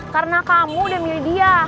karena kamu udah milih dia